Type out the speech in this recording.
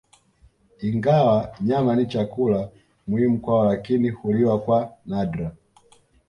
Ingawa nyama ni chakula muhimu kwao lakini huliwa kwa nadra